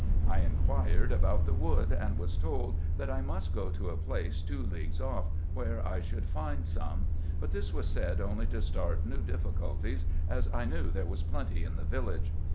I inquired about the wood, and was told, that I must go to a place two leagues off, where I should find some ; but this was said only to start new difficulties, as I knew there was plenty in the village.